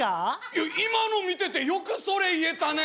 いや今の見ててよくそれ言えたね。